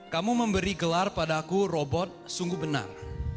kamu memberi gelar padaku robot sungguh benar